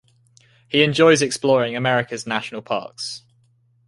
He enjoys exploring America's National Parks.